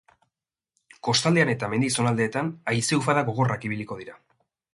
Kostaldean eta mendi zonaldeetan hazei-ufadak gogorrak ibiliko dira.